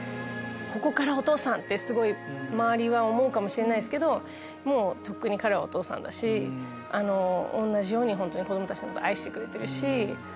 ここからお父さん！ってすごい周りは思うかもしれないけどもうとっくに彼はお父さんだし同じように子供たちのこと愛してくれてるし。